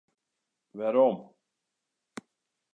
Werom.